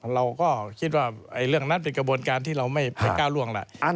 เราก็คิดว่าเรื่องนั้นเป็นกระบวนการที่เราไม่ไปก้าวล่วงแหละ